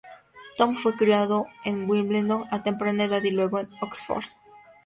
Tom fue criado en Wimbledon a temprana edad y luego en Oxford.